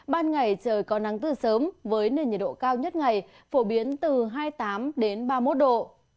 ban ngày trời có nắng từ sớm với nền nhiệt độ cao nhất ngày phổ biến từ hai mươi tám ba mươi một độ